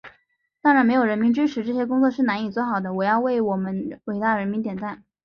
当然，没有人民支持，这些工作是难以做好的，我要为我们伟大的人民点赞。